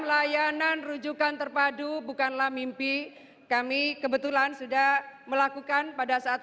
layanan rujukan terpadu bukanlah mimpi kami kebetulan sudah melakukan pada saat